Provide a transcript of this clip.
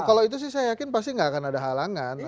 kalau itu sih saya yakin pasti nggak akan ada halangan